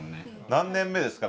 何年目ですか？